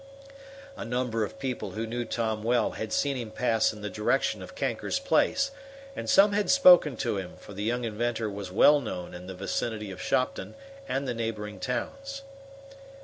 A number of people who knew Tom well had seen him pass in the direction of Kanker's place, and some had spoken to him, for the young inventor was well known in the vicinity of Shopton and the neighboring towns.